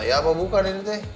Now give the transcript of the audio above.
ya apa bukan ini teh